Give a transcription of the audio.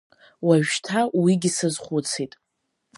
Уажәшьҭа уигьы сазхәыцит.